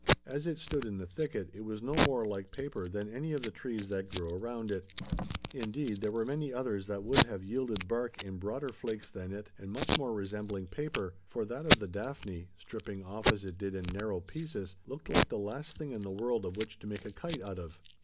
As it stood in the thicket, it was no more like paper than any of the trees that grew around it. Indeed, there were many others that would have yielded bark in broader flakes than it, and much more resembling paper: for that of the daphne, stripping off as it did in narrow pieces, looked like the last thing in the world of which to make a kite out of.